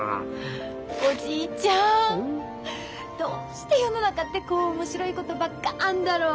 おじいちゃんどうして世の中ってこう面白いことばっかあんだろう。